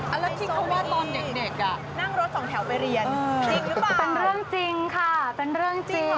อะไรนะมานั่งรถทางแถวอย่างนี้